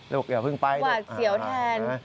ลูกอย่าพึ่งไปเลยนะว่าเดี๋ยวแทน